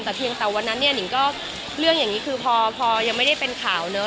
แต่เพียงแต่วันนั้นเนี่ยนิงก็เรื่องอย่างนี้คือพอยังไม่ได้เป็นข่าวเนอะ